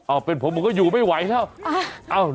อ้าวเป็นผมมันก็อยู่ไม่ไหวเท่า